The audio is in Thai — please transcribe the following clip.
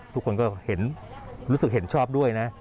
ทุกคนก็รู้สึกเห็นชอบด้วยนะ